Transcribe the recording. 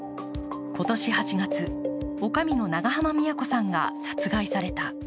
今年８月、おかみの長濱美也子さんが殺害された。